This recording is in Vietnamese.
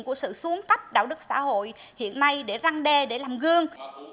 của sự xuống cấp đạo đức xã hội hiện nay để răng đe để làm gương